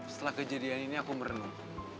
setelah kejadian ini aku merenung